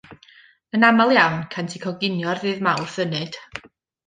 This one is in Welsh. Yn aml iawn, cânt eu coginio ar Ddydd Mawrth Ynyd.